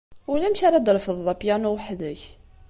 Ulamek ara d-trefdeḍ apyanu weḥd-k.